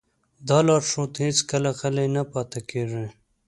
دا لارښود هېڅکله غلی نه پاتې کېږي.